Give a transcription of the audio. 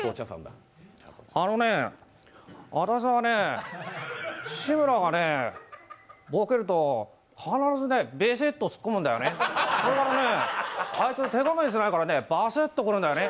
あのね、わたすはね、志村がね、ボケると、必ずバシっと突っ込むんだよね、それからね、あいつ手加減しないから、バシッと来るんだよね。